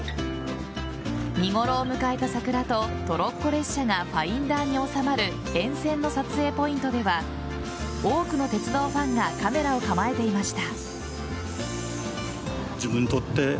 見頃を迎えた桜とトロッコ列車がファインダーに収まる沿線の撮影ポイントでは多くの鉄道ファンがカメラを構えていました。